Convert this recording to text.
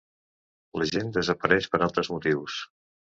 La gent desapareix per altres motius.